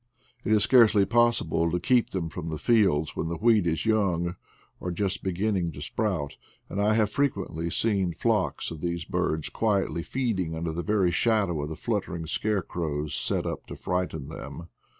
It is scarcely possible to keep them from the fields when the wheat is young or just beginning to sprout; and I have frequently seen flocks of these birds quietly feeding under the very shadow of the fluttering scarecrows set up to frighten them.